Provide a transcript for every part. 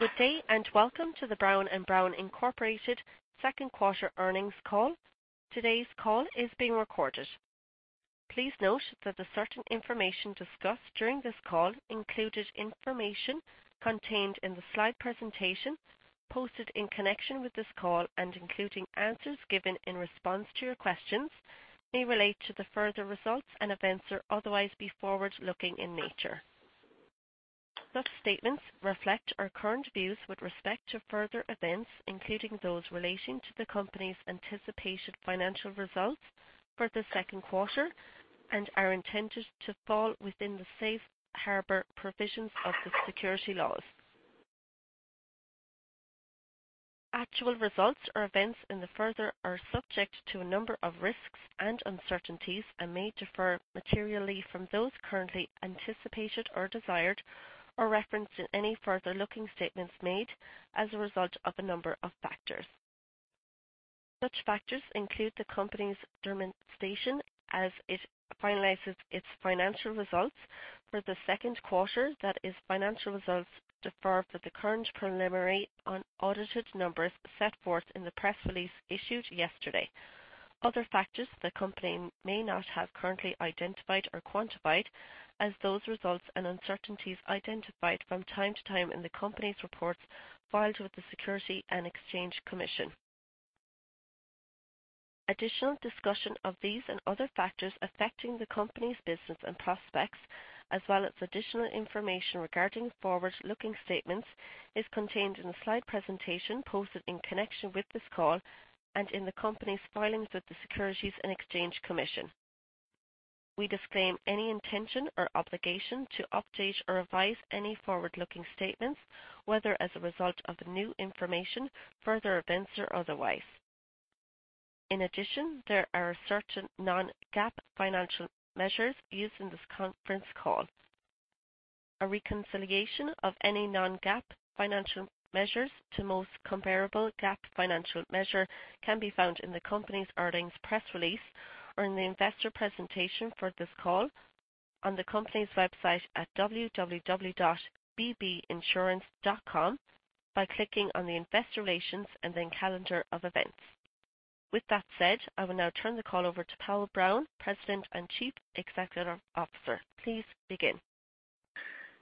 Good day. Welcome to the Brown & Brown, Inc. second quarter earnings call. Today's call is being recorded. Please note that the certain information discussed during this call, included information contained in the slide presentation posted in connection with this call and including answers given in response to your questions, may relate to future results and events or otherwise be forward-looking in nature. Such statements reflect our current views with respect to future events, including those relating to the company's anticipated financial results for the second quarter, and are intended to fall within the safe harbor provisions of the Securities laws. Actual results or events in the future are subject to a number of risks and uncertainties and may differ materially from those currently anticipated or desired or referenced in any forward-looking statements made as a result of a number of factors. Such factors include the company's determination as it finalizes its financial results for the second quarter, that its financial results differ from the current preliminary unaudited numbers set forth in the press release issued yesterday. Other factors the company may not have currently identified or quantified or those risks and uncertainties identified from time to time in the company's reports filed with the Securities and Exchange Commission. Additional discussion of these and other factors affecting the company's business and prospects, as well as additional information regarding forward-looking statements, is contained in the slide presentation posted in connection with this call and in the company's filings with the Securities and Exchange Commission. We disclaim any intention or obligation to update or revise any forward-looking statements, whether as a result of new information, future events, or otherwise. There are certain non-GAAP financial measures used in this conference call. A reconciliation of any non-GAAP financial measures to most comparable GAAP financial measure can be found in the company's earnings press release or in the investor presentation for this call on the company's website at www.bbinsurance.com by clicking on the investor relations and then calendar of events. I will now turn the call over to Powell Brown, President and Chief Executive Officer. Please begin.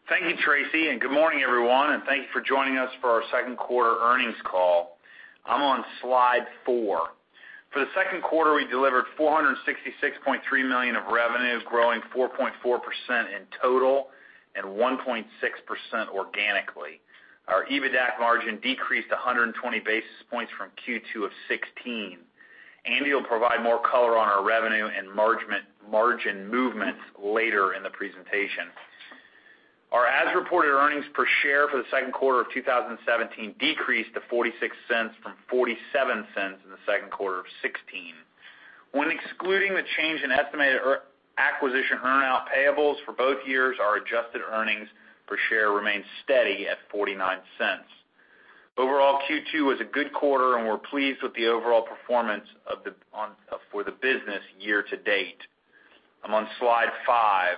Thank you, Tracy. Good morning, everyone. Thank you for joining us for our second quarter earnings call. I'm on slide four. For the second quarter, we delivered $466.3 million of revenue, growing 4.4% in total and 1.6% organically. Our EBITDA margin decreased 120 basis points from Q2 of 2016. Andy will provide more color on our revenue and margin movements later in the presentation. Our as-reported earnings per share for the second quarter of 2017 decreased to $0.46 from $0.47 in the second quarter of 2016. When excluding the change in estimated acquisition earnout payables for both years, our adjusted earnings per share remained steady at $0.49. Overall, Q2 was a good quarter. We're pleased with the overall performance for the business year-to-date. I'm on slide five.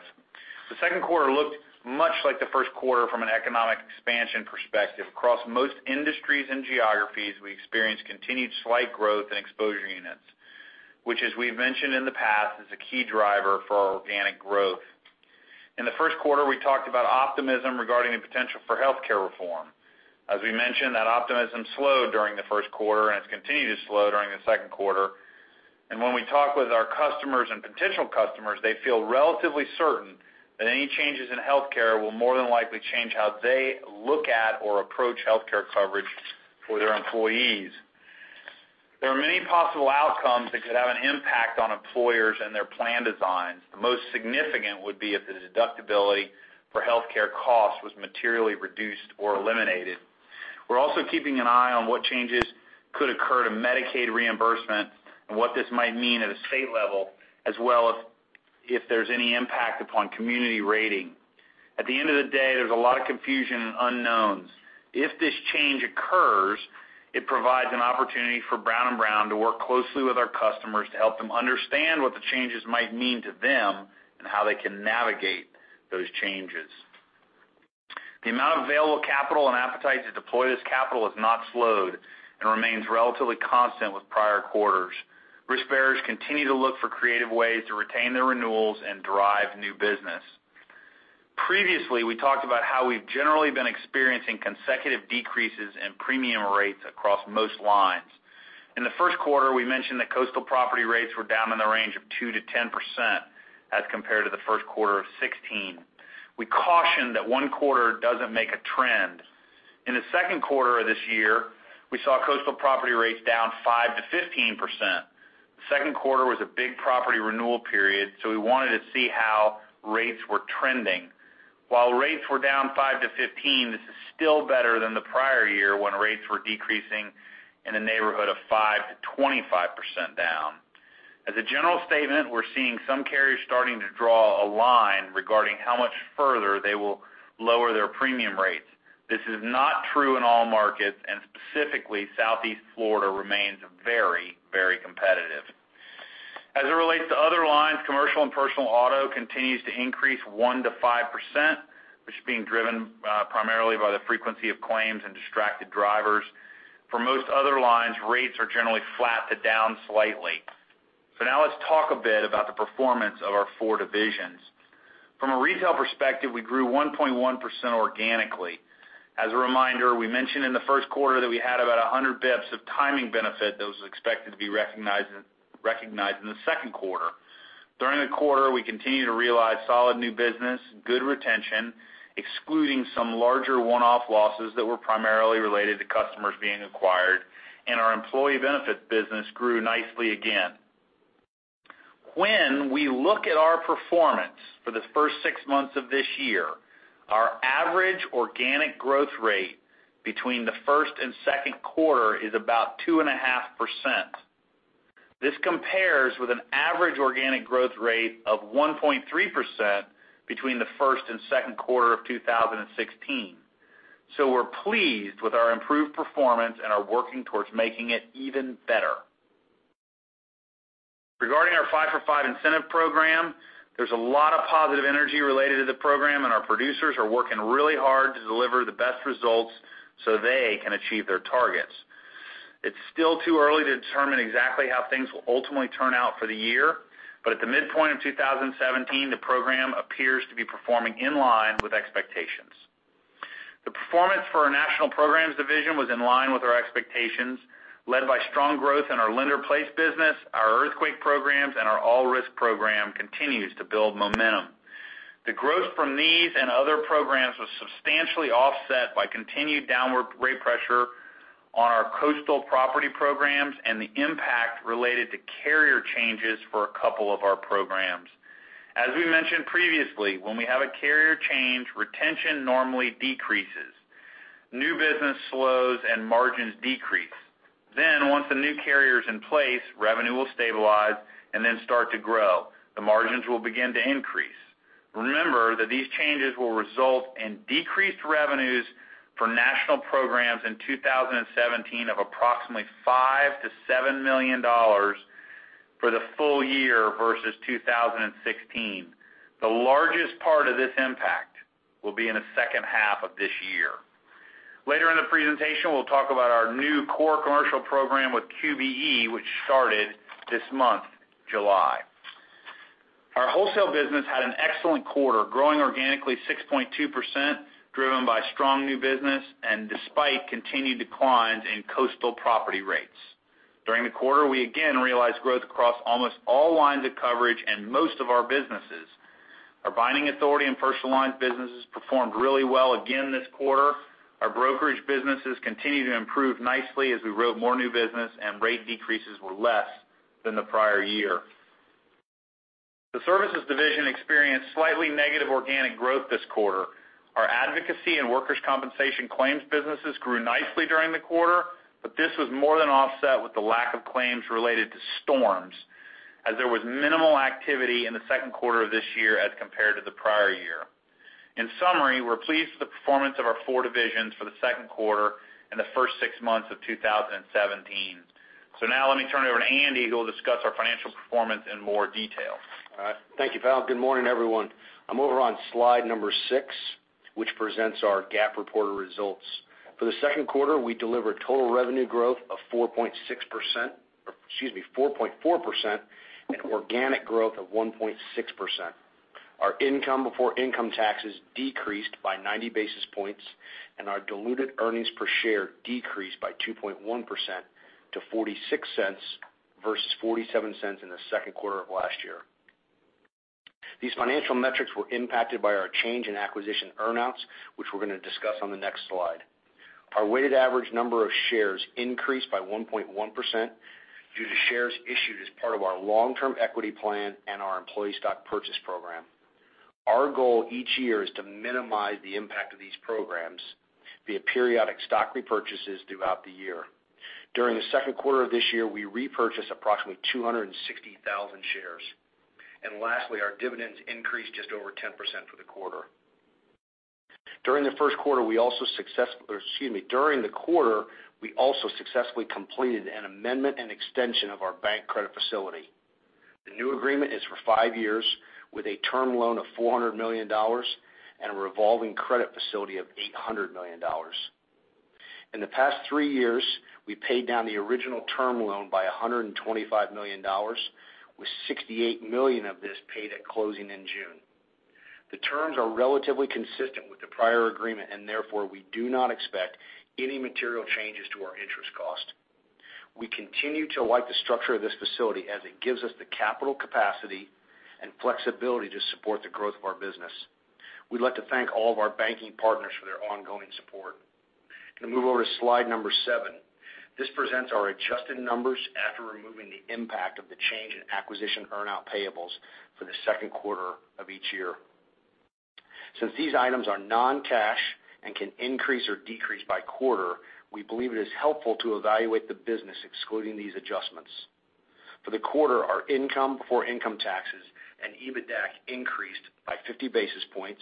The second quarter looked much like the first quarter from an economic expansion perspective. Across most industries and geographies, we experienced continued slight growth in exposure units, which as we've mentioned in the past, is a key driver for our organic growth. In the first quarter, we talked about optimism regarding the potential for healthcare reform. As we mentioned, that optimism slowed during the first quarter, and it's continued to slow during the second quarter. When we talk with our customers and potential customers, they feel relatively certain that any changes in healthcare will more than likely change how they look at or approach healthcare coverage for their employees. There are many possible outcomes that could have an impact on employers and their plan designs. The most significant would be if the deductibility for healthcare costs was materially reduced or eliminated. We're also keeping an eye on what changes could occur to Medicaid reimbursement and what this might mean at a state level, as well as if there's any impact upon community rating. At the end of the day, there's a lot of confusion and unknowns. If this change occurs, it provides an opportunity for Brown & Brown to work closely with our customers to help them understand what the changes might mean to them and how they can navigate those changes. The amount of available capital and appetite to deploy this capital has not slowed and remains relatively constant with prior quarters. Risk bearers continue to look for creative ways to retain their renewals and drive new business. Previously, we talked about how we've generally been experiencing consecutive decreases in premium rates across most lines. In the first quarter, we mentioned that coastal property rates were down in the range of 2%-10% as compared to the first quarter of 2016. We cautioned that one quarter doesn't make a trend. In the second quarter of this year, we saw coastal property rates down 5%-15%. Second quarter was a big property renewal period, so we wanted to see how rates were trending. While rates were down 5%-15%, this is still better than the prior year when rates were decreasing in the neighborhood of 5%-25% down. As a general statement, we're seeing some carriers starting to draw a line regarding how much further they will lower their premium rates. This is not true in all markets, specifically, Southeast Florida remains very, very competitive. Commercial and personal auto continues to increase 1%-5%, which is being driven primarily by the frequency of claims and distracted drivers. For most other lines, rates are generally flat to down slightly. Now let's talk a bit about the performance of our four divisions. From a retail perspective, we grew 1.1% organically. As a reminder, we mentioned in the first quarter that we had about 100 basis points of timing benefit that was expected to be recognized in the second quarter. During the quarter, we continued to realize solid new business, good retention, excluding some larger one-off losses that were primarily related to customers being acquired, and our employee benefits business grew nicely again. When we look at our performance for the first six months of this year, our average organic growth rate between the first and second quarter is about 2.5%. This compares with an average organic growth rate of 1.3% between the first and second quarter of 2016. We're pleased with our improved performance and are working towards making it even better. Regarding our Five for Five incentive program, there's a lot of positive energy related to the program, and our producers are working really hard to deliver the best results so they can achieve their targets. It's still too early to determine exactly how things will ultimately turn out for the year, but at the midpoint of 2017, the program appears to be performing in line with expectations. The performance for our National Programs division was in line with our expectations, led by strong growth in our lender placed business, our earthquake programs, and our all-risk program continues to build momentum. The growth from these and other programs was substantially offset by continued downward rate pressure on our coastal property programs and the impact related to carrier changes for a couple of our programs. As we mentioned previously, when we have a carrier change, retention normally decreases. New business slows, and margins decrease. Once the new carrier's in place, revenue will stabilize and then start to grow. The margins will begin to increase. Remember that these changes will result in decreased revenues for National Programs in 2017 of approximately $5 million-$7 million for the full year versus 2016. The largest part of this impact will be in the second half of this year. Later in the presentation, we'll talk about our new core commercial program with QBE, which started this month, July. Our wholesale business had an excellent quarter, growing organically 6.2%, driven by strong new business and despite continued declines in coastal property rates. During the quarter, we again realized growth across almost all lines of coverage and most of our businesses. Our binding authority and personal lines businesses performed really well again this quarter. Our brokerage businesses continued to improve nicely as we wrote more new business and rate decreases were less than the prior year. The services division experienced slightly negative organic growth this quarter. Our advocacy and workers' compensation claims businesses grew nicely during the quarter, but this was more than offset with the lack of claims related to storms, as there was minimal activity in the second quarter of this year as compared to the prior year. In summary, we're pleased with the performance of our four divisions for the second quarter and the first six months of 2017. Now let me turn it over to Andy, who will discuss our financial performance in more detail. All right. Thank you, Powell. Good morning, everyone. I'm over on slide number six, which presents our GAAP reported results. For the second quarter, we delivered total revenue growth of 4.6% or, excuse me, 4.4% and organic growth of 1.6%. Our income before income taxes decreased by 90 basis points, and our diluted earnings per share decreased by 2.1% to $0.46 versus $0.47 in the second quarter of last year. These financial metrics were impacted by our change in acquisition earn-outs, which we're going to discuss on the next slide. Our weighted average number of shares increased by 1.1% due to shares issued as part of our long-term equity plan and our employee stock purchase program. Our goal each year is to minimize the impact of these programs via periodic stock repurchases throughout the year. During the second quarter of this year, we repurchased approximately 260,000 shares. Lastly, our dividends increased just over 10% for the quarter. During the first quarter, or excuse me, during the quarter, we also successfully completed an amendment and extension of our bank credit facility. The new agreement is for five years with a term loan of $400 million and a revolving credit facility of $800 million. In the past three years, we paid down the original term loan by $125 million, with $68 million of this paid at closing in June. The terms are relatively consistent with the prior agreement. Therefore, we do not expect any material changes to our interest cost. We'd like to thank all of our banking partners for their ongoing support. Going to move over to slide number seven. This presents our adjusted numbers after removing the impact of the change in acquisition earn-out payables for the second quarter of each year. Since these items are non-cash and can increase or decrease by quarter, we believe it is helpful to evaluate the business excluding these adjustments. For the quarter, our income before income taxes and EBITDAC increased by 50 basis points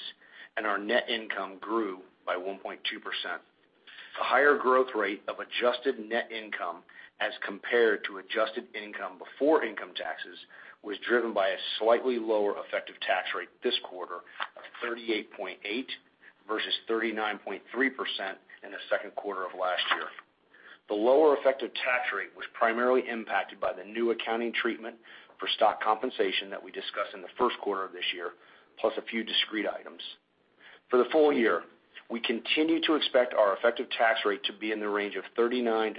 and our net income grew by 1.2%. The higher growth rate of adjusted net income as compared to adjusted income before income taxes was driven by a slightly lower effective tax rate this quarter of 38.8% versus 39.3% in the second quarter of last year. The lower effective tax rate was primarily impacted by the new accounting treatment for stock compensation that we discussed in the first quarter of this year, plus a few discrete items. For the full year, we continue to expect our effective tax rate to be in the range of 39%-39.3%.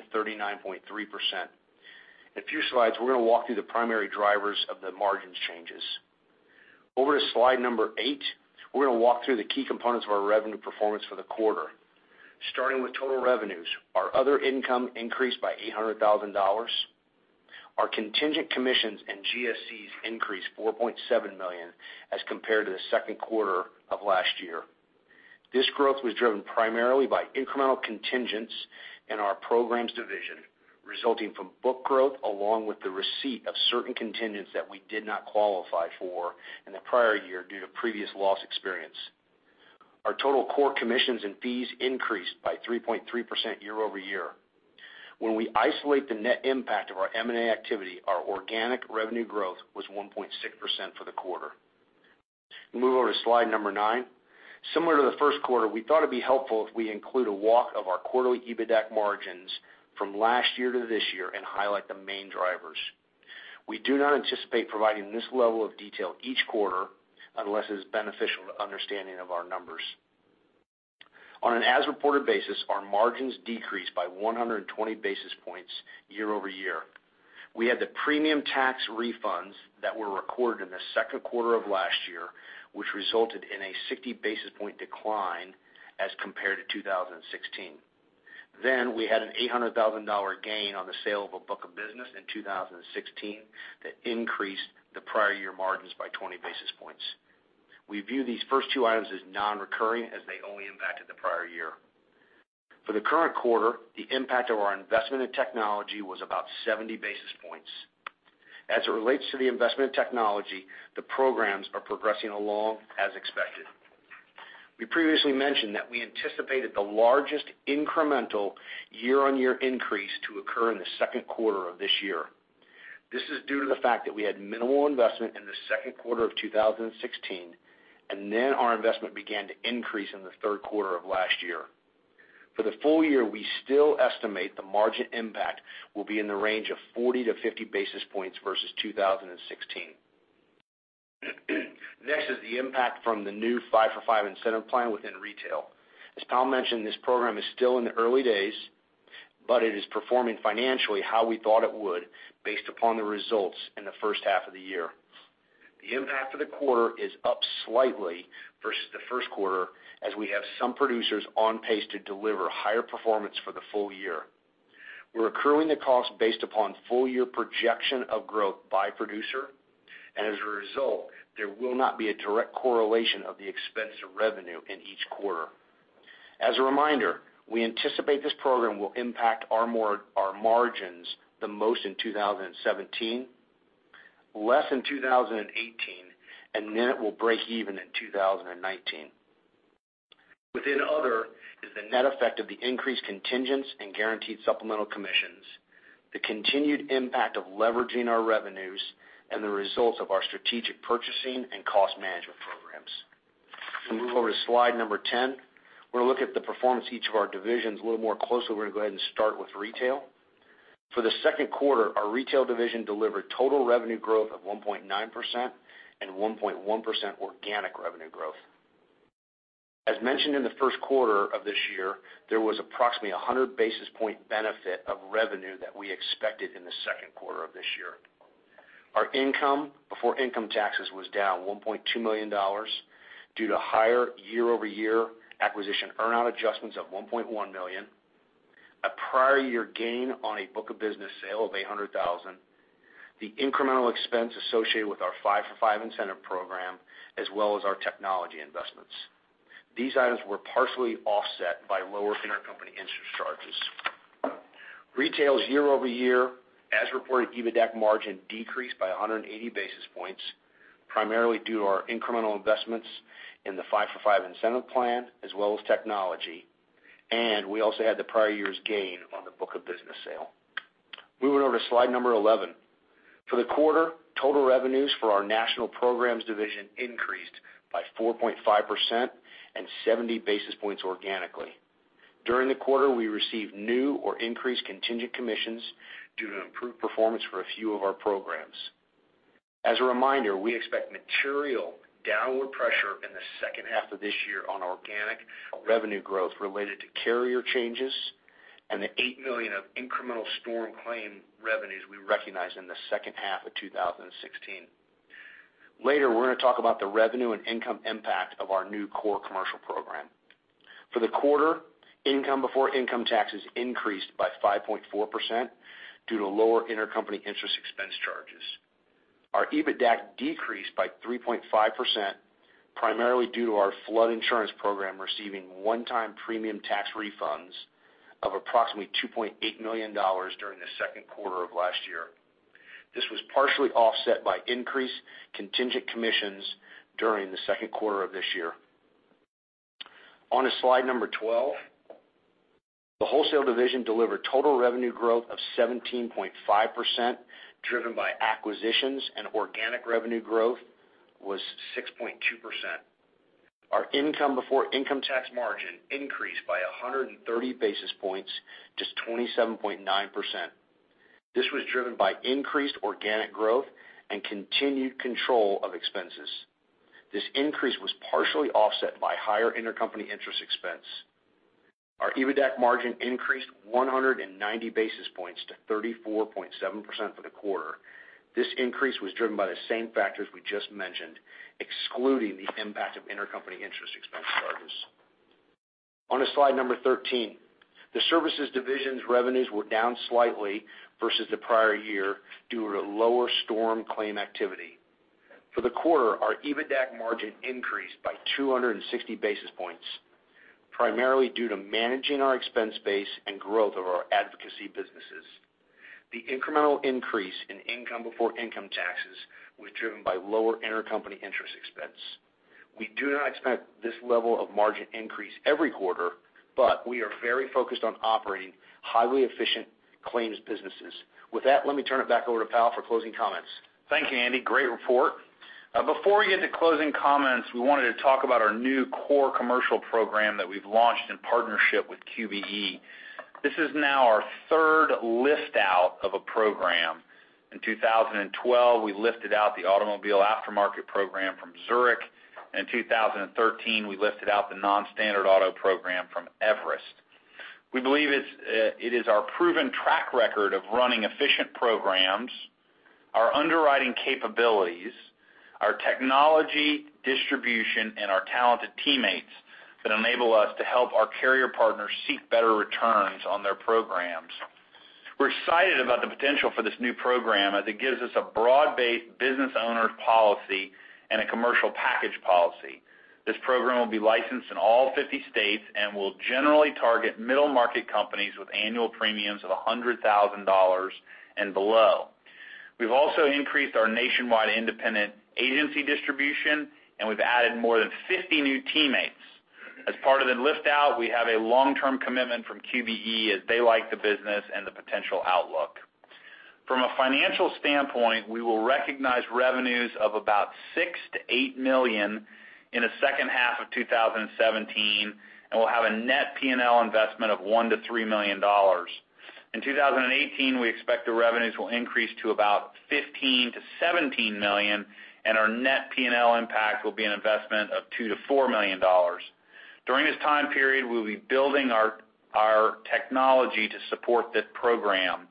In a few slides, we're going to walk through the primary drivers of the margins changes. Over to slide number eight, we're going to walk through the key components of our revenue performance for the quarter. Starting with total revenues, our other income increased by $800,000. Our contingent commissions and GSCs increased $4.7 million as compared to the second quarter of last year. This growth was driven primarily by incremental contingents in our programs division, resulting from book growth along with the receipt of certain contingents that we did not qualify for in the prior year due to previous loss experience. Our total core commissions and fees increased by 3.3% year-over-year. When we isolate the net impact of our M&A activity, our organic revenue growth was 1.6% for the quarter. Move over to slide number 9. Similar to the first quarter, we thought it would be helpful if we include a walk of our quarterly EBITDAC margins from last year to this year and highlight the main drivers. We do not anticipate providing this level of detail each quarter unless it is beneficial to understanding of our numbers. On an as reported basis, our margins decreased by 120 basis points year-over-year. We had the premium tax refunds that were recorded in the second quarter of last year, which resulted in a 60 basis point decline as compared to 2016. We had an $800,000 gain on the sale of a book of business in 2016 that increased the prior year margins by 20 basis points. We view these first two items as non-recurring as they only impacted the prior year. For the current quarter, the impact of our investment in technology was about 70 basis points. As it relates to the investment in technology, the programs are progressing along as expected. We previously mentioned that we anticipated the largest incremental year-on-year increase to occur in the second quarter of this year. This is due to the fact that we had minimal investment in the second quarter of 2016. Our investment began to increase in the third quarter of last year. For the full year, we still estimate the margin impact will be in the range of 40 to 50 basis points versus 2016. Next is the impact from the new Five for Five incentive plan within retail. As Tom mentioned, this program is still in the early days. It is performing financially how we thought it would based upon the results in the first half of the year. The impact of the quarter is up slightly versus the first quarter as we have some producers on pace to deliver higher performance for the full year. We are accruing the cost based upon full year projection of growth by producer. As a result, there will not be a direct correlation of the expense to revenue in each quarter. As a reminder, we anticipate this program will impact our margins the most in 2017, less in 2018. It will break even in 2019. Within other is the net effect of the increased contingents and guaranteed supplemental commissions, the continued impact of leveraging our revenues, and the results of our strategic purchasing and cost management programs. If we move over to slide number 10, we are going to look at the performance of each of our divisions a little more closely. We are going to go ahead and start with retail. For the second quarter, our retail division delivered total revenue growth of 1.9% and 1.1% organic revenue growth. As mentioned in the first quarter of this year, there was approximately 100 basis point benefit of revenue that we expected in the second quarter of this year. Our income before income taxes was down $1.2 million due to higher year-over-year acquisition earn-out adjustments of $1.1 million, a prior year gain on a book of business sale of $800,000, the incremental expense associated with our Five for Five incentive program, as well as our technology investments. These items were partially offset by lower intercompany interest charges. Retail's year-over-year, as reported, EBITDAC margin decreased by 180 basis points, primarily due to our incremental investments in the Five for Five incentive plan as well as technology. We also had the prior year's gain on the book of business sale. Moving over to slide number 11. For the quarter, total revenues for our national programs division increased by 4.5% and 70 basis points organically. During the quarter, we received new or increased contingent commissions due to improved performance for a few of our programs. As a reminder, we expect material downward pressure in the second half of this year on organic revenue growth related to carrier changes and the $8 million of incremental storm claim revenues we recognized in the second half of 2016. Later, we're going to talk about the revenue and income impact of our new core commercial program. For the quarter, income before income taxes increased by 5.4% due to lower intercompany interest expense charges. Our EBITDAC decreased by 3.5%, primarily due to our flood insurance program receiving one-time premium tax refunds of approximately $2.8 million during the second quarter of last year. This was partially offset by increased contingent commissions during the second quarter of this year. On to slide number 12. The wholesale division delivered total revenue growth of 17.5%, driven by acquisitions. Organic revenue growth was 6.2%. Our income before income tax margin increased by 130 basis points to 27.9%. This was driven by increased organic growth and continued control of expenses. This increase was partially offset by higher intercompany interest expense. Our EBITDA margin increased 190 basis points to 34.7% for the quarter. This increase was driven by the same factors we just mentioned, excluding the impact of intercompany interest expense charges. On to slide number 13. The services division's revenues were down slightly versus the prior year due to lower storm claim activity. For the quarter, our EBITDA margin increased by 260 basis points, primarily due to managing our expense base and growth of our advocacy businesses. The incremental increase in income before income taxes was driven by lower intercompany interest expense. We do not expect this level of margin increase every quarter. We are very focused on operating highly efficient claims businesses. With that, let me turn it back over to Powell for closing comments. Thank you, Andy. Great report. Before we get to closing comments, we wanted to talk about our new core commercial program that we've launched in partnership with QBE. This is now our third lift-out of a program. In 2012, we lifted out the automobile aftermarket program from Zurich. In 2013, we lifted out the non-standard auto program from Everest. We believe it is our proven track record of running efficient programs, our underwriting capabilities, our technology distribution, and our talented teammates that enable us to help our carrier partners seek better returns on their programs. We're excited about the potential for this new program, as it gives us a broad-based business owner's policy and a commercial package policy. This program will be licensed in all 50 states and will generally target middle-market companies with annual premiums of $100,000 and below. We've also increased our nationwide independent agency distribution, we've added more than 50 new teammates. As part of the lift-out, we have a long-term commitment from QBE, as they like the business and the potential outlook. From a financial standpoint, we will recognize revenues of about $6 million-$8 million in the second half of 2017, we'll have a net P&L investment of $1 million-$3 million. In 2018, we expect the revenues will increase to about $15 million-$17 million, our net P&L impact will be an investment of $2 million-$4 million. During this time period, we'll be building our technology to support this program.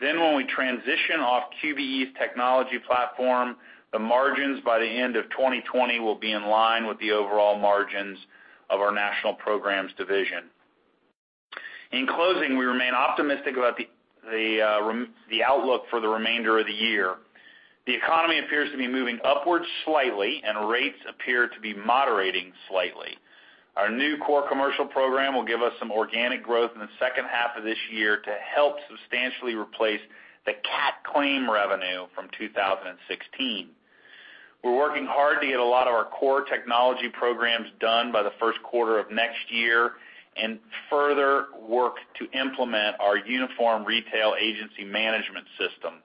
When we transition off QBE's technology platform, the margins by the end of 2020 will be in line with the overall margins of our national programs division. In closing, we remain optimistic about the outlook for the remainder of the year. The economy appears to be moving upwards slightly, rates appear to be moderating slightly. Our new core commercial program will give us some organic growth in the second half of this year to help substantially replace the cat claim revenue from 2016. We're working hard to get a lot of our core technology programs done by the first quarter of next year further work to implement our uniform retail agency management system.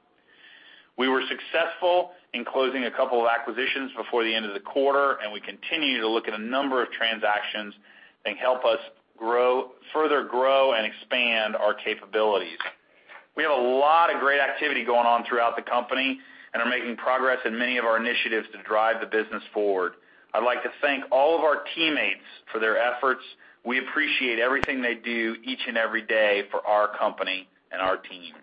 We were successful in closing a couple of acquisitions before the end of the quarter, we continue to look at a number of transactions that can help us further grow and expand our capabilities. We have a lot of great activity going on throughout the company are making progress in many of our initiatives to drive the business forward. I'd like to thank all of our teammates for their efforts. We appreciate everything they do each and every day for our company and our team.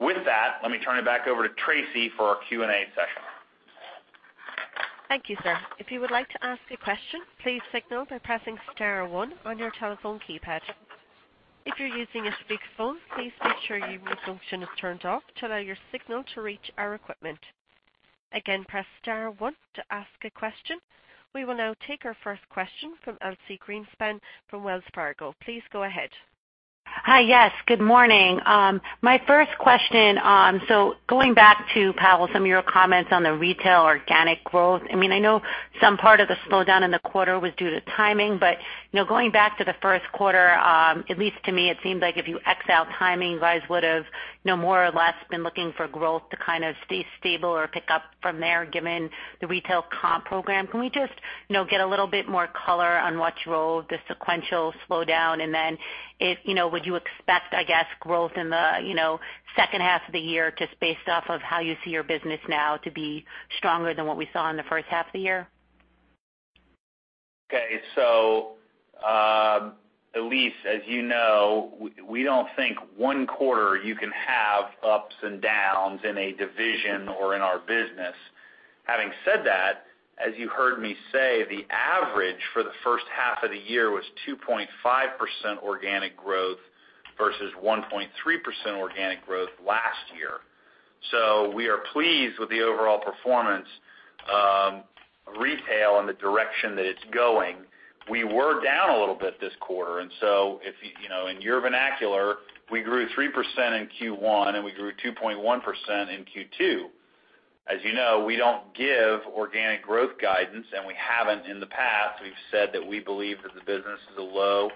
With that, let me turn it back over to Tracy for our Q&A session. Thank you, sir. If you would like to ask a question, please signal by pressing *1 on your telephone keypad. If you're using a speakerphone, please make sure mute function is turned off to allow your signal to reach our equipment. Again, press *1 to ask a question. We will now take our first question from Elyse Greenspan from Wells Fargo. Please go ahead. Hi. Yes, good morning. My first question, going back to, Powell, some of your comments on the retail organic growth. I know some part of the slowdown in the quarter was due to timing, but going back to the first quarter, at least to me, it seemed like if you X out timing, you guys would've more or less been looking for growth to stay stable or pick up from there, given the retail comp program. Can we just get a little bit more color on what role the sequential slowdown, and then would you expect, I guess, growth in the second half of the year, just based off of how you see your business now to be stronger than what we saw in the first half of the year? Okay. Elyse, as you know, we don't think one quarter you can have ups and downs in a division or in our business. Having said that, as you heard me say, the average for the first half of the year was 2.5% organic growth versus 1.3% organic growth last year. We are pleased with the overall performance. Retail and the direction that it's going, we were down a little bit this quarter. In your vernacular, we grew 3% in Q1, and we grew 2.1% in Q2. As you know, we don't give organic growth guidance, and we haven't in the past. We've said that we believe that the business is a low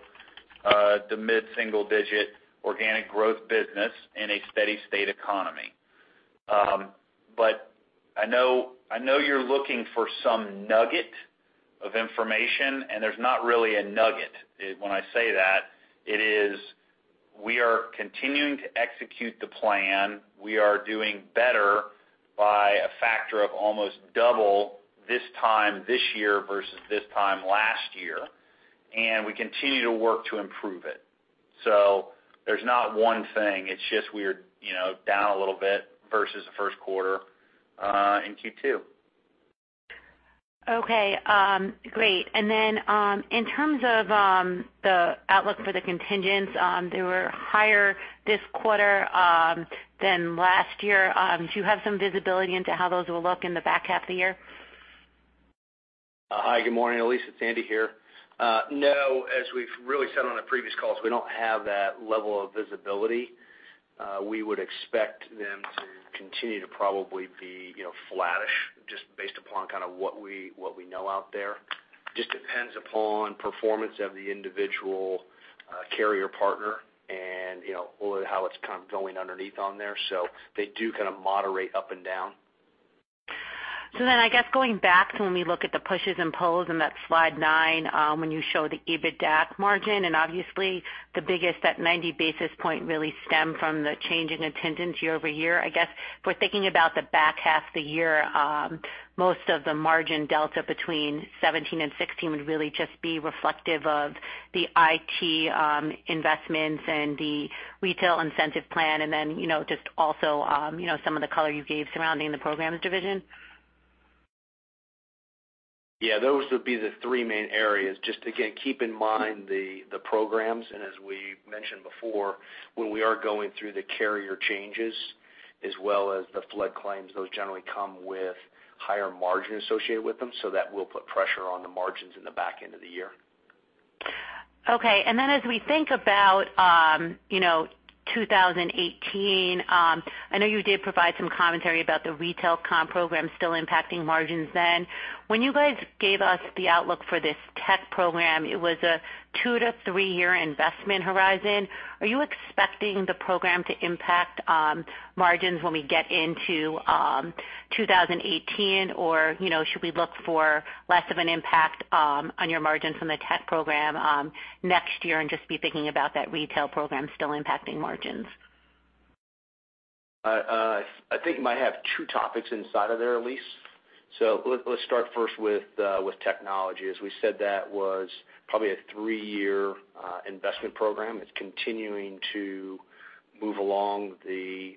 to mid-single-digit organic growth business in a steady state economy. I know you're looking for some nugget of information, and there's not really a nugget when I say that. It is, we are continuing to execute the plan. We are doing better by a factor of almost double this time this year versus this time last year, and we continue to work to improve it. There's not one thing, it's just we are down a little bit versus the first quarter in Q2. Okay. Great. In terms of the outlook for the contingents, they were higher this quarter than last year. Do you have some visibility into how those will look in the back half of the year? Hi, good morning, Elyse. It's Andy here. No, as we've really said on the previous calls, we don't have that level of visibility. We would expect them to continue to probably be flattish, just based upon what we know out there. Just depends upon performance of the individual carrier partner and how it's going underneath on there. They do moderate up and down. I guess going back to when we look at the pushes and pulls in that slide nine, when you show the EBITDA margin, and obviously the biggest, that 90 basis point really stemmed from the change in [attendance] year-over-year. I guess if we're thinking about the back half of the year, most of the margin delta between 2017 and 2016 would really just be reflective of the IT investments and the retail incentive plan, and then, just also some of the color you gave surrounding the programs division? Yeah, those would be the three main areas. Just again, keep in mind the programs, and as we mentioned before, when we are going through the carrier changes as well as the flood claims, those generally come with higher margin associated with them. That will put pressure on the margins in the back end of the year. Okay. As we think about 2018, I know you did provide some commentary about the retail comp program still impacting margins then. When you guys gave us the outlook for this tech program, it was a two to three-year investment horizon. Are you expecting the program to impact margins when we get into 2018, or should we look for less of an impact on your margins from the tech program next year and just be thinking about that retail program still impacting margins? I think you might have two topics inside of there, Elyse. Let's start first with technology. As we said, that was probably a three-year investment program. It is continuing to move along the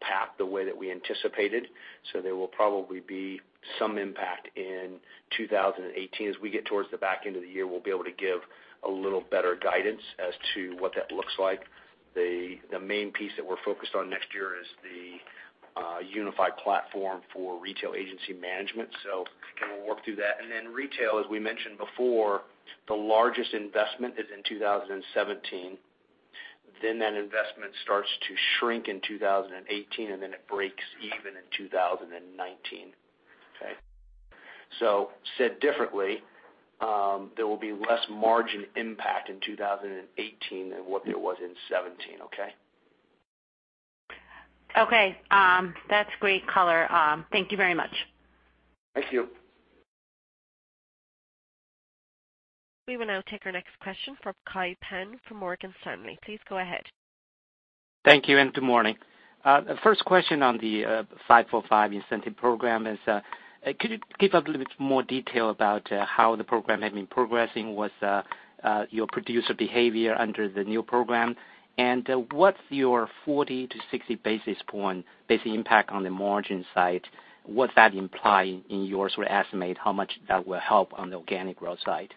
path the way that we anticipated. There will probably be some impact in 2018. As we get towards the back end of the year, we will be able to give a little better guidance as to what that looks like. The main piece that we are focused on next year is the unified platform for retail agency management. We will work through that. Then retail, as we mentioned before, the largest investment is in 2017. Then that investment starts to shrink in 2018, and then it breaks even in 2019. Okay? Said differently, there will be less margin impact in 2018 than what there was in 2017, okay? Okay. That is great color. Thank you very much. Thank you. We will now take our next question from Kai Pan from Morgan Stanley. Please go ahead. Thank you and good morning. First question on the Five for Five incentive program is, could you give a little bit more detail about how the program had been progressing with your producer behavior under the new program? What's your 40 to 60 basis point basic impact on the margin side? What's that imply in your estimate, how much that will help on the organic growth side?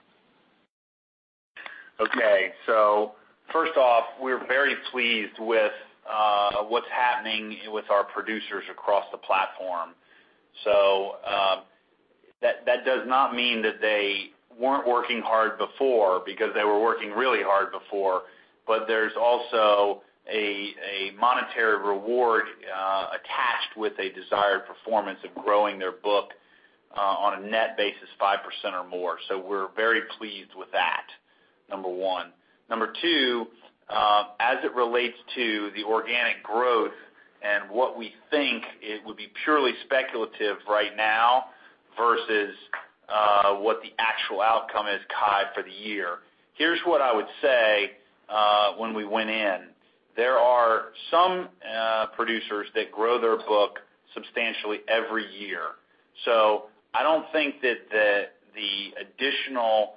First off, we're very pleased with what's happening with our producers across the platform. That does not mean that they weren't working hard before because they were working really hard before. There's also a monetary reward attached with a desired performance of growing their book on a net basis 5% or more. We're very pleased with that, number one. Number two, as it relates to the organic growth and what we think it would be purely speculative right now versus what the actual outcome is, Kai, for the year. Here's what I would say when we went in. There are some producers that grow their book substantially every year. I don't think that the additional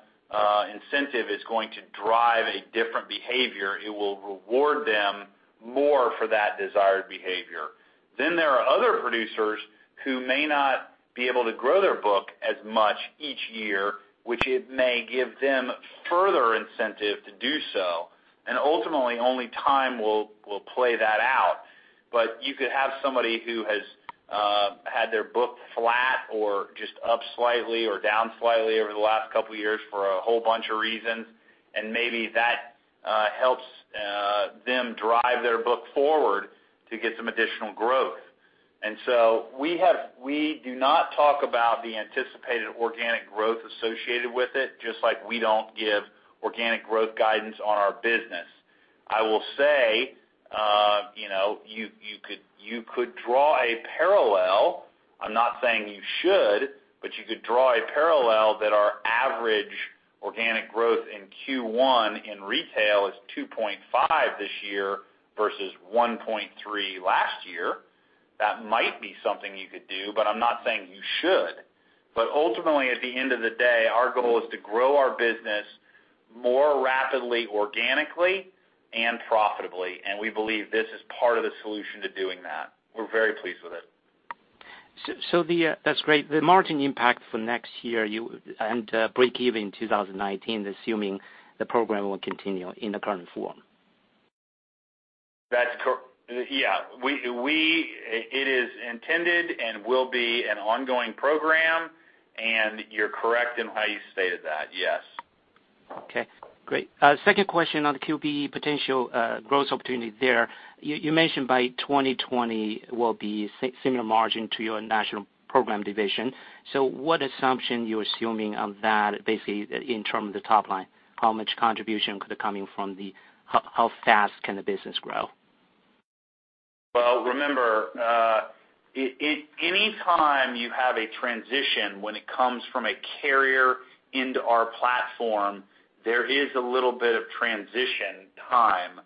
incentive is going to drive a different behavior. It will reward them more for that desired behavior. There are other producers who may not be able to grow their book as much each year, which it may give them further incentive to do so. Ultimately, only time will play that out. You could have somebody who has had their book flat or just up slightly or down slightly over the last couple of years for a whole bunch of reasons, and maybe that helps them drive their book forward to get some additional growth. We do not talk about the anticipated organic growth associated with it, just like we don't give organic growth guidance on our business. I will say, you could draw a parallel. I'm not saying you should, but you could draw a parallel that our average organic growth in Q1 in retail is 2.5% this year versus 1.3% last year. That might be something you could do, but I'm not saying you should. Ultimately, at the end of the day, our goal is to grow our business more rapidly, organically, and profitably, and we believe this is part of the solution to doing that. We're very pleased with it. That's great. The margin impact for next year, and break even in 2019, assuming the program will continue in the current form. It is intended and will be an ongoing program, you're correct in how you stated that. Yes. Okay, great. Second question on the QBE potential growth opportunity there. You mentioned by 2020 will be similar margin to your national program division. What assumption you're assuming on that, basically, in terms of the top line? How much contribution could be coming from how fast can the business grow? Well, remember, any time you have a transition when it comes from a carrier into our platform, there is a little bit of transition time.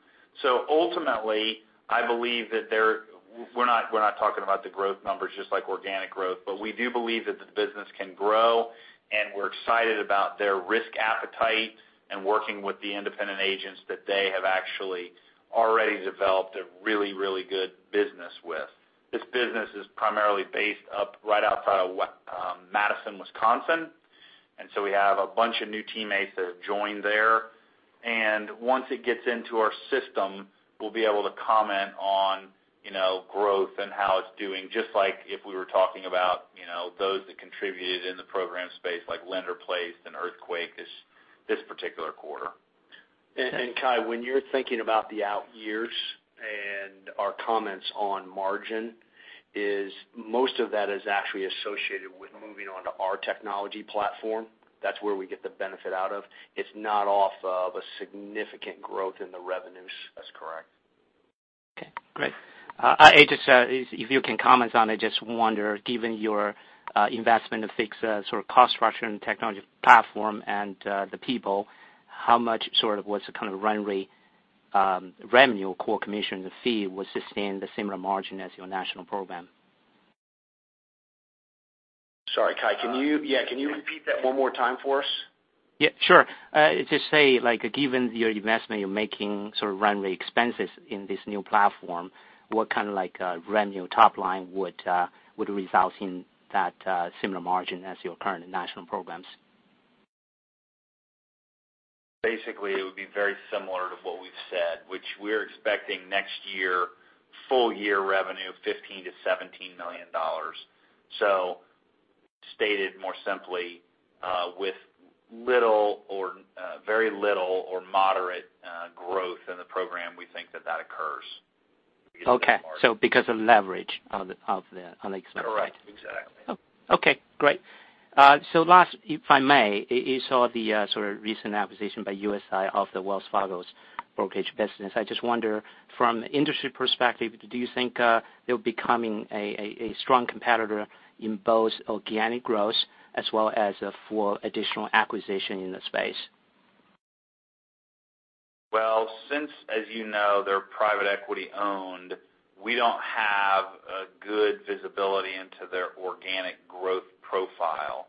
Ultimately, we're not talking about the growth numbers just like organic growth, but we do believe that the business can grow, and we're excited about their risk appetite and working with the independent agents that they have actually already developed a really good business with. This business is primarily based up right outside of Madison, Wisconsin. We have a bunch of new teammates that have joined there. Once it gets into our system, we'll be able to comment on growth and how it's doing, just like if we were talking about those that contributed in the program space, like lender placed and earthquake this particular quarter. Kai, when you're thinking about the out years and our comments on margin is most of that is actually associated with moving onto our technology platform. That's where we get the benefit out of. It's not off of a significant growth in the revenues. That's correct. Okay, great. I just, if you can comment on it, just wonder, given your investment to fix sort of cost structure and technology platform and the people, how much sort of, what's the kind of run rate revenue core commissions and fees will sustain the similar margin as your national program? Sorry, Kai. Can you repeat that one more time for us? Yeah, sure. Just say, given your investment you're making sort of run rate expenses in this new platform, what kind of revenue top line would result in that similar margin as your current national programs? Basically, it would be very similar to what we've said, which we're expecting next year full year revenue of $15 million-$17 million. Stated more simply, with very little or moderate growth in the program, we think that occurs. Okay. Because of leverage of the expense, right? Correct. Exactly. Okay, great. Last, if I may, you saw the sort of recent acquisition by USI of the Wells Fargo's brokerage business. I just wonder, from industry perspective, do you think they'll becoming a strong competitor in both organic growth as well as for additional acquisition in the space? Well, since, as you know, they're private equity owned, we don't have a good visibility into their organic growth profile.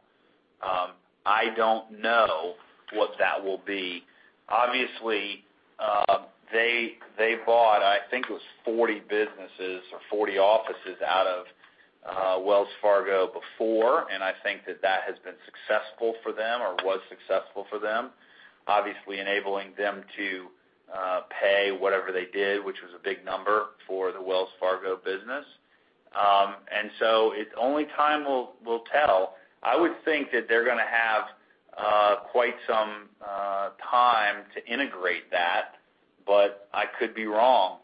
I don't know what that will be. Obviously, they bought, I think it was 40 businesses or 40 offices out of Wells Fargo before, and I think that that has been successful for them or was successful for them, obviously enabling them to pay whatever they did, which was a big number for the Wells Fargo business. Only time will tell. I would think that they're going to have quite some time to integrate that, but I could be wrong.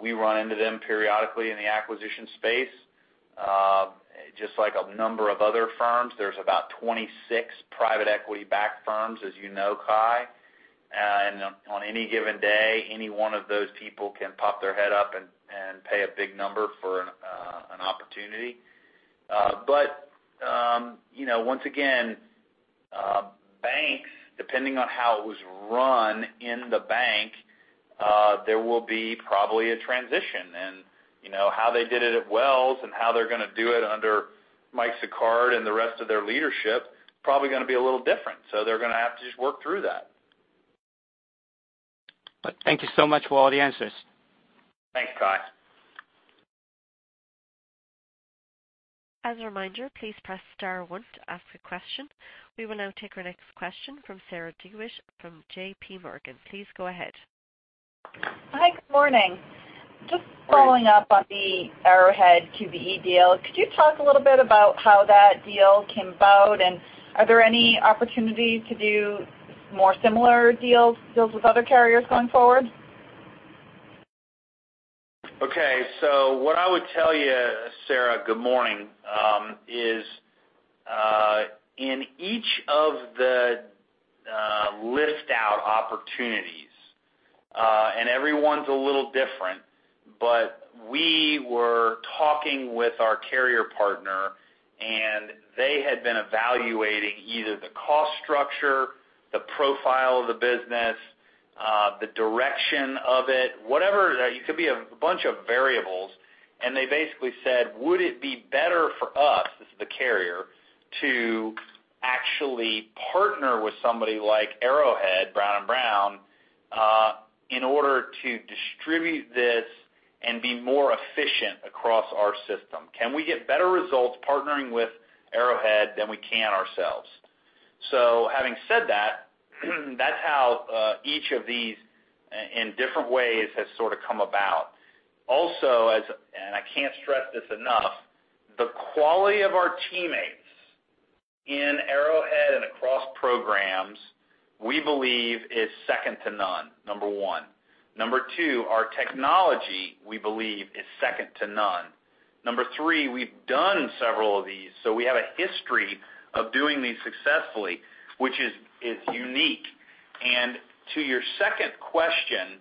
We run into them periodically in the acquisition space. Just like a number of other firms, there's about 26 private equity-backed firms, as you know, Kai. On any given day, any one of those people can pop their head up and pay a big number for an opportunity. Once again, banks, depending on how it was run in the bank, there will be probably a transition. How they did it at Wells and how they're going to do it under Michael Sicard and the rest of their leadership, probably going to be a little different. They're going to have to just work through that. Thank you so much for all the answers. Thanks, Kai. As a reminder, please press star one to ask a question. We will now take our next question from Sarah DeWitt from JPMorgan. Please go ahead. Hi, good morning. Just following up on the Arrowhead QBE deal, could you talk a little bit about how that deal came about? Are there any opportunities to do more similar deals with other carriers going forward? Okay. What I would tell you, Sarah, good morning, is in each of the lift-out opportunities, and every one's a little different, but we were talking with our carrier partner, and they had been evaluating either the cost structure, the profile of the business, the direction of it, whatever, it could be a bunch of variables. They basically said, "Would it be better for us," this is the carrier, "to actually partner with somebody like Arrowhead Brown & Brown, in order to distribute this and be more efficient across our system? Can we get better results partnering with Arrowhead than we can ourselves?" Having said that's how each of these, in different ways, has sort of come about. Also, and I can't stress this enough, the quality of our teammates in Arrowhead and across programs, we believe is second to none, number one. Number 2, our technology, we believe, is second to none. Number 3, we've done several of these, so we have a history of doing these successfully, which is unique. To your second question,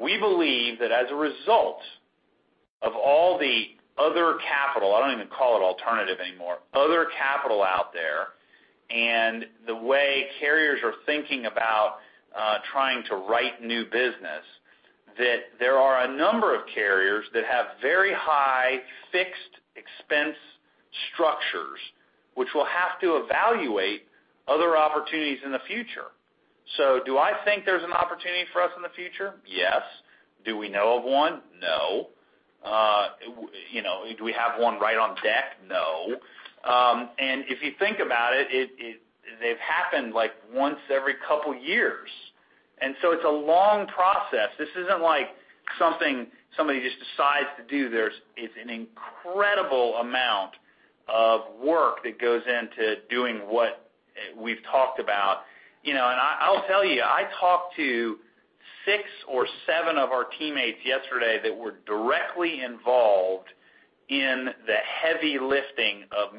we believe that as a result of all the other capital, I don't even call it alternative anymore, other capital out there, and the way carriers are thinking about trying to write new business, that there are a number of carriers that have very high fixed expense structures, which will have to evaluate other opportunities in the future. Do I think there's an opportunity for us in the future? Yes. Do we know of one? No. Do we have one right on deck? No. If you think about it, they've happened once every couple years. It's a long process. This isn't like something somebody just decides to do. It's an incredible amount of work that goes into doing what we've talked about. I'll tell you, I talked to six or seven of our teammates yesterday that were directly involved in the heavy lifting of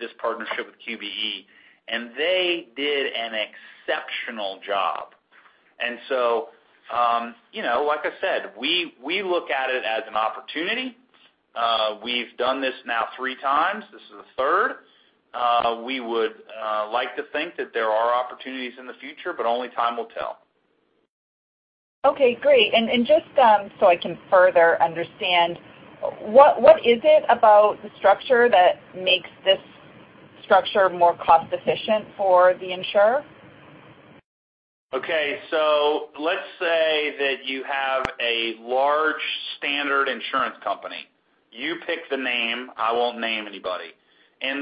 this partnership with QBE, and they did an exceptional job. Like I said, we look at it as an opportunity. We've done this now 3 times. This is the third. We would like to think that there are opportunities in the future, but only time will tell. Okay, great. Just so I can further understand, what is it about the structure that makes this structure more cost-efficient for the insurer? Okay. Let's say that you have a large standard insurance company. You pick the name, I won't name anybody.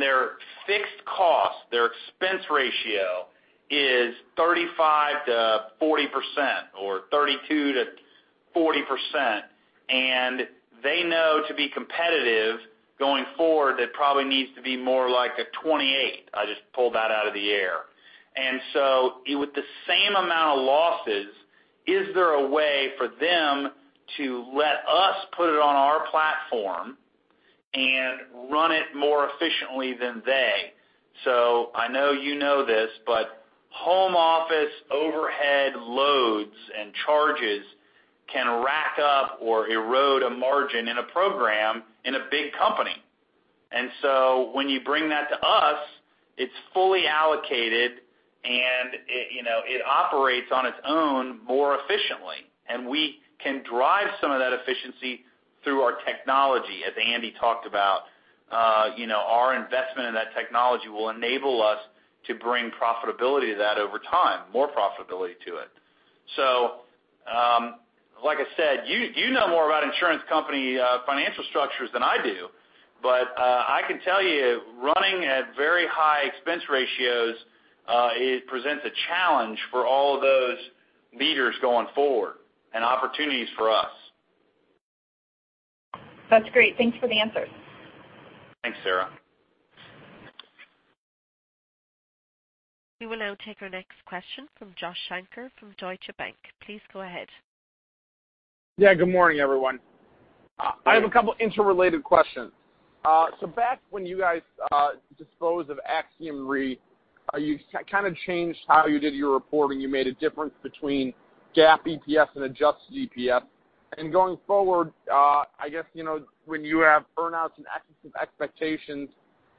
Their fixed cost, their expense ratio is 35%-40% or 32%-40%. They know to be competitive going forward, that probably needs to be more like a 28%. I just pulled that out of the air. With the same amount of losses, is there a way for them to let us put it on our platform and run it more efficiently than they? I know you know this, but home office overhead loads and charges can rack up or erode a margin in a program in a big company. When you bring that to us, it's fully allocated, and it operates on its own more efficiently. We can drive some of that efficiency through our technology, as Andy talked about. Our investment in that technology will enable us to bring profitability to that over time, more profitability to it. Like I said, you know more about insurance company financial structures than I do. I can tell you, running at very high expense ratios, it presents a challenge for all of those leaders going forward and opportunities for us. That's great. Thanks for the answers. Thanks, Sarah. We will now take our next question from Joshua Shanker from Deutsche Bank. Please go ahead. Yeah. Good morning, everyone. Hi. I have a couple interrelated questions. Back when you guys disposed of Axiom Re, you kind of changed how you did your reporting. You made a difference between GAAP, EPS and adjusted EPS. Going forward, I guess, when you have earn-outs and excessive expectations,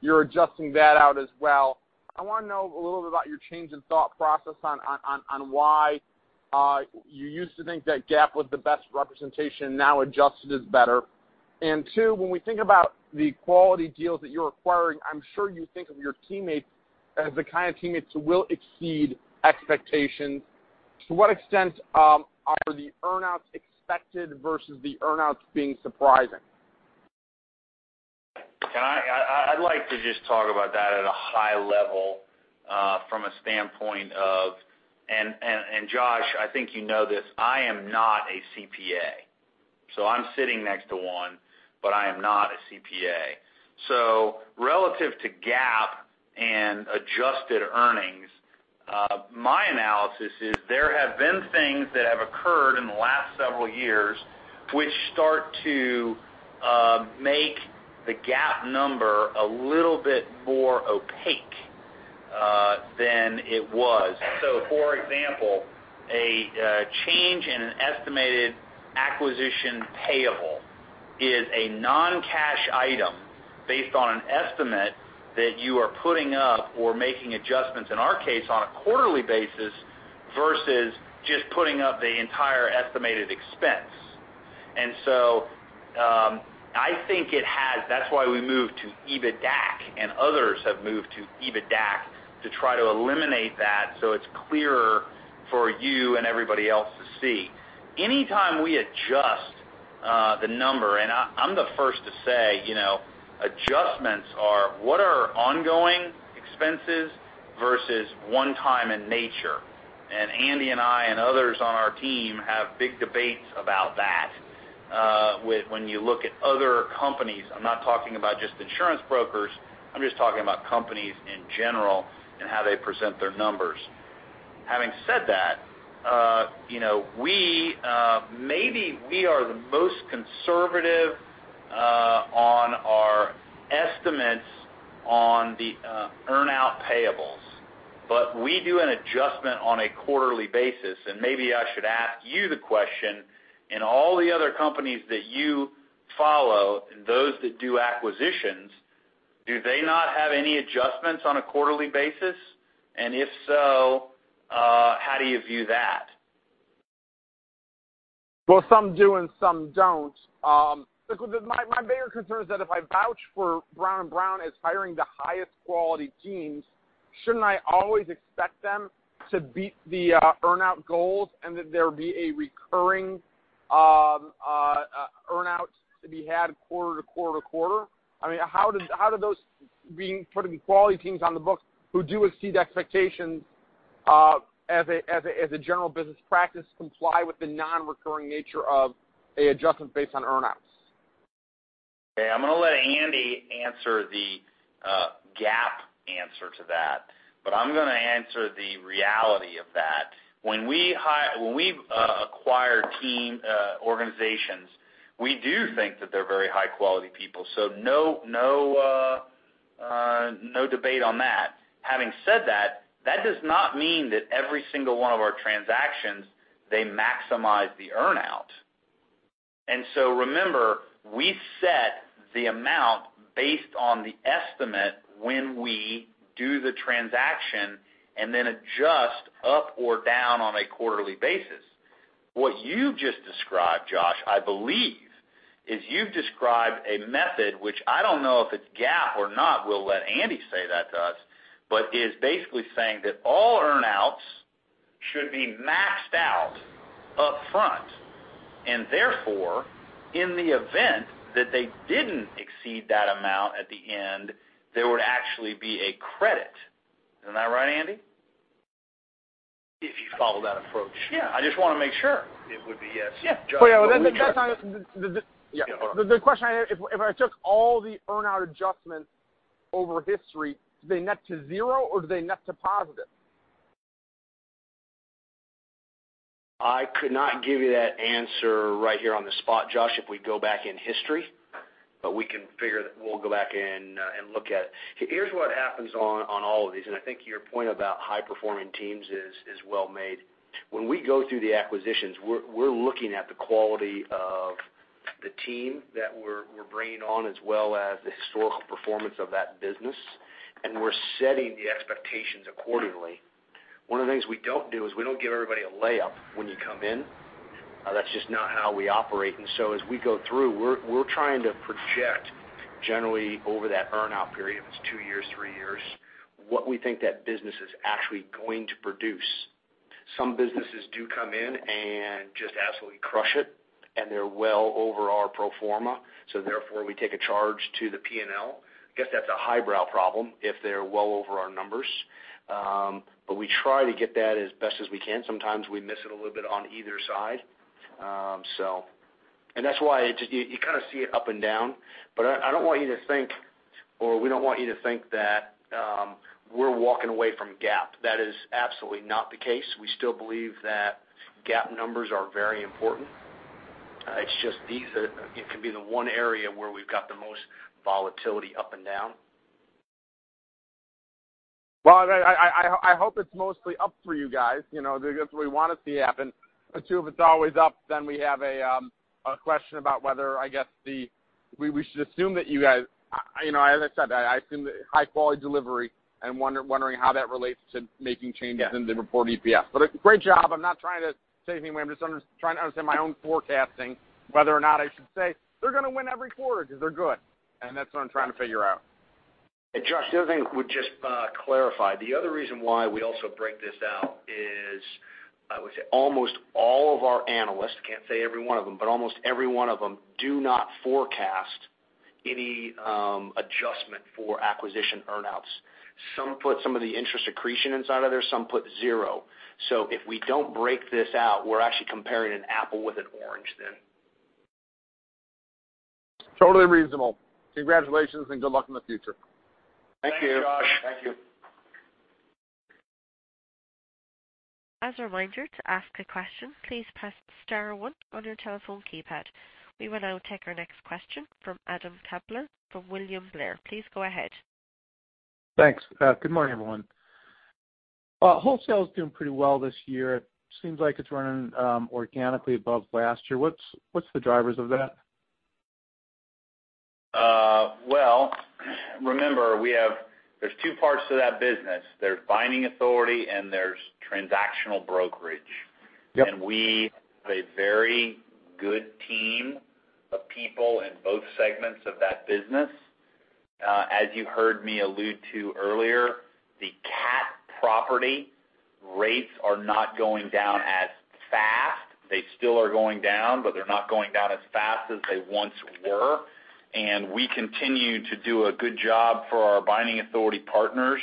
you're adjusting that out as well. I want to know a little bit about your change in thought process on why you used to think that GAAP was the best representation, now adjusted is better. 2, when we think about the quality deals that you're acquiring, I'm sure you think of your teammates as the kind of teammates who will exceed expectations. To what extent are the earn-outs expected versus the earn-outs being surprising? Can I? I'd like to just talk about that at a high level from a standpoint of, and Josh, I think you know this, I am not a CPA. I'm sitting next to one, but I am not a CPA. Relative to GAAP and adjusted earnings, my analysis is there have been things that have occurred in the last several years which start to make the GAAP number a little bit more opaque than it was. For example, a change in an estimated acquisition payable is a non-cash item based on an estimate that you are putting up or making adjustments, in our case, on a quarterly basis, versus just putting up the entire estimated expense. That's why we moved to EBITDAC and others have moved to EBITDAC to try to eliminate that so it's clearer for you and everybody else to see. Anytime we adjust the number, and I'm the first to say, adjustments are what are ongoing expenses versus one time in nature. Andy and I, and others on our team have big debates about that, when you look at other companies, I'm not talking about just insurance brokers, I'm just talking about companies in general and how they present their numbers. Having said that, maybe we are the most conservative on our estimates on the earn-out payables. We do an adjustment on a quarterly basis. Maybe I should ask you the question, in all the other companies that you follow, those that do acquisitions, do they not have any adjustments on a quarterly basis? If so, how do you view that? Well, some do and some don't. My bigger concern is that if I vouch for Brown & Brown as hiring the highest quality teams, shouldn't I always expect them to beat the earn-out goals and that there be a recurring earn-out to be had quarter to quarter to quarter? I mean, how do those being quality teams on the books who do exceed expectations as a general business practice comply with the non-recurring nature of a adjustment based on earn-outs? Okay. I'm going to let Andy answer the GAAP answer to that, but I'm going to answer the reality of that. When we acquire team organizations, we do think that they're very high-quality people. No debate on that. Having said that does not mean that every single one of our transactions, they maximize the earn-out. Remember, we set the amount based on the estimate when we do the transaction and then adjust up or down on a quarterly basis. What you've just described, Josh, I believe, is you've described a method which I don't know if it's GAAP or not, we'll let Andy say that to us, but is basically saying that all earn-outs should be maxed out upfront and therefore, in the event that they didn't exceed that amount at the end, there would actually be a credit. Isn't that right, Andy? If you follow that approach. Yeah. I just want to make sure. It would be yes, Josh. Yeah. Yeah. Yeah. Hold on. The question I had, if I took all the earn-out adjustments over history, do they net to zero or do they net to positive? I could not give you that answer right here on the spot, Josh, if we go back in history. We'll go back and look at it. Here's what happens on all of these, and I think your point about high performing teams is well-made. When we go through the acquisitions, we're looking at the quality of the team that we're bringing on as well as the historical performance of that business, and we're setting the expectations accordingly. One of the things we don't do is we don't give everybody a layup when you come in. That's just not how we operate. As we go through, we're trying to project generally over that earn-out period, if it's two years, three years, what we think that business is actually going to produce. Some businesses do come in and just absolutely crush it, and they're well over our pro forma. Therefore we take a charge to the P&L. I guess that's a highbrow problem if they're well over our numbers. We try to get that as best as we can. Sometimes we miss it a little bit on either side. That's why you kind of see it up and down, but I don't want you to think, or we don't want you to think that we're walking away from GAAP. That is absolutely not the case. We still believe that GAAP numbers are very important. It's just it can be the one area where we've got the most volatility up and down. Well, I hope it's mostly up for you guys, because that's what we want to see happen. Two, if it's always up, then we have a question about whether, I guess we should assume that you guys, as I said, I assume that high-quality delivery and wondering how that relates to making changes in the reported EPS. Great job. I'm not trying to say anything, I'm just trying to understand my own forecasting, whether or not I should say, "They're going to win every quarter because they're good." That's what I'm trying to figure out. Josh, the other thing I would just clarify, the other reason why we also break this out is, I would say, almost all of our analysts, can't say every one of them, but almost every one of them do not forecast any adjustment for acquisition earn-outs. Some put some of the interest accretion inside of there, some put zero. If we don't break this out, we're actually comparing an apple with an orange. Totally reasonable. Congratulations and good luck in the future. Thank you. Thanks, Josh. Thank you. As a reminder, to ask a question, please press star 1 on your telephone keypad. We will now take our next question from Adam Klauber from William Blair. Please go ahead. Thanks. Good morning, everyone. Wholesale is doing pretty well this year. Seems like it is running organically above last year. What are the drivers of that? Well, remember, there are two parts to that business. There is binding authority and there is transactional brokerage. Yep. We have a very good team of people in both segments of that business. You heard me allude to earlier, the cat property rates are not going down as fast. They still are going down, but they're not going down as fast as they once were. We continue to do a good job for our binding authority partners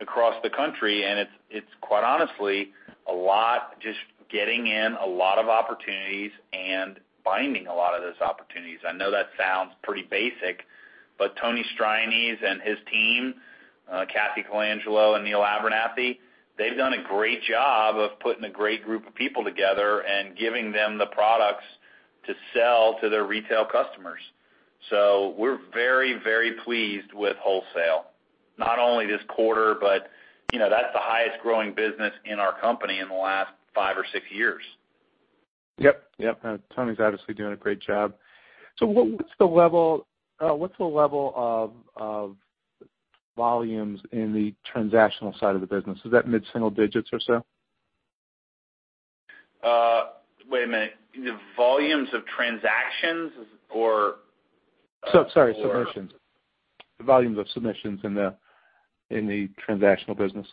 across the country, and it's quite honestly a lot, just getting in a lot of opportunities and binding a lot of those opportunities. I know that sounds pretty basic, but Tony Strianese and his team, Cathy Colangelo and Neal Abernathy, they've done a great job of putting a great group of people together and giving them the products to sell to their retail customers. We're very, very pleased with wholesale, not only this quarter, but that's the highest growing business in our company in the last five or six years. Yep. Tony's obviously doing a great job. What's the level of volumes in the transactional side of the business? Is that mid-single digits or so? Wait a minute. The volumes of transactions. Sorry, submissions. The volumes of submissions in the transactional business.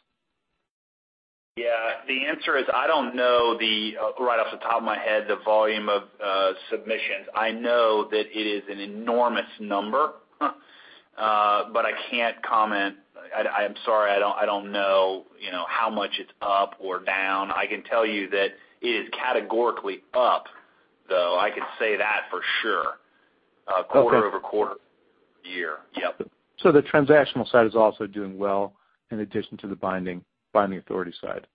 Yeah. The answer is, I don't know, right off the top of my head, the volume of submissions. I know that it is an enormous number. I can't comment. I am sorry, I don't know how much it's up or down. I can tell you that it is categorically up, though. I can say that for sure. Okay. Quarter-over-quarter year. Yep. The transactional side is also doing well in addition to the binding authority side.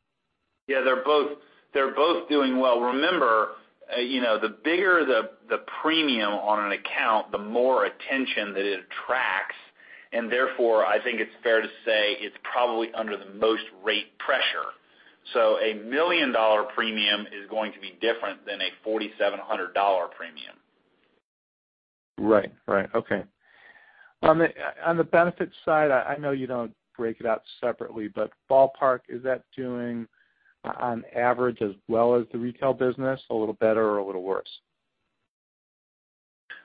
Yeah, they're both doing well. Remember, the bigger the premium on an account, the more attention that it attracts, and therefore, I think it's fair to say it's probably under the most rate pressure. A $1 million premium is going to be different than a $4,700 premium. Right. Okay. On the benefits side, I know you don't break it out separately, but ballpark, is that doing on average as well as the retail business? A little better or a little worse?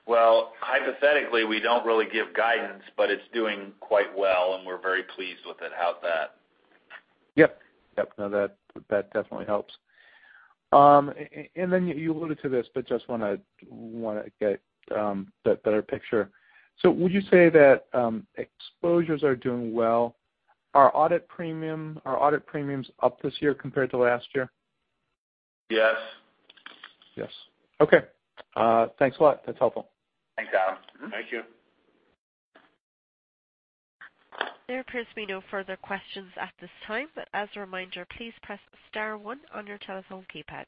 Well, hypothetically, we don't really give guidance, but it's doing quite well, and we're very pleased with it how it's at. Yep. No, that definitely helps. You alluded to this, but just want to get that better picture. Would you say that exposures are doing well? Are audit premiums up this year compared to last year? Yes. Yes. Okay. Thanks a lot. That's helpful. Thanks, Adam. Thank you. There appears to be no further questions at this time. As a reminder, please press *1 on your telephone keypad.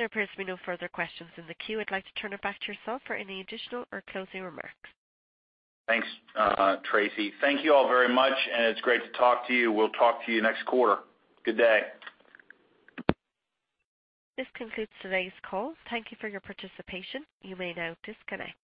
There appears to be no further questions in the queue. I'd like to turn it back to yourself for any additional or closing remarks. Thanks, Tracy. Thank you all very much. It's great to talk to you. We'll talk to you next quarter. Good day. This concludes today's call. Thank you for your participation. You may now disconnect.